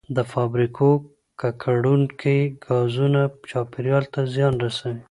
د فابریکو ککړونکي ګازونه چاپیریال ته زیان رسوي.